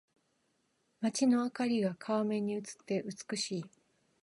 街の灯りが川面に映って美しい。